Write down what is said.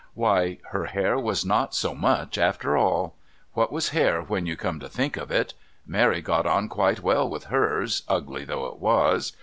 Why, her hair was not so much after all. What was hair when you come to think of it? Mary got on quite well with hers, ugly though it was.